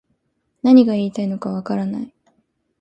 何が言いたいのかわからない